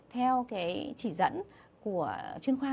theo cái chỉ dẫn của chuyên khoa